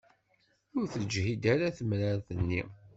Ur teǧhid ara temrart-nni.